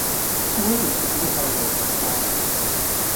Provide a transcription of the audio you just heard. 顧得掂自己嘅細路噉咋嘛